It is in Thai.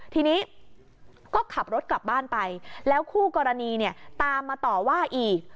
ทีนี้ก็ขับรถกลับบ้านไปแล้วคู่กรณีเนี่ยตามมาต่อว่าอีก